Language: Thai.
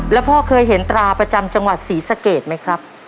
แล้วพ่อเคยเห็นตราประจำจังหวัดศรีสะเกดไหมครับ